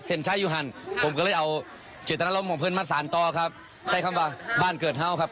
ใช้อยู่หั่นผมก็เลยเอาเจตนารมณ์ของเพื่อนมาสารต่อครับใช้คำว่าบ้านเกิดเฮ่าครับ